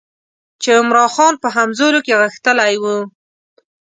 چې عمرا خان په همزولو کې غښتلی وو.